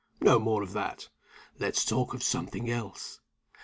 "No more of that! Let's talk of something else.